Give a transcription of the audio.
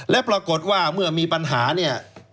และปรากฏว่าเมื่อมีปัญหาเนี่ย